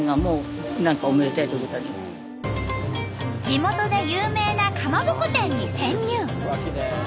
地元で有名なかまぼこ店に潜入！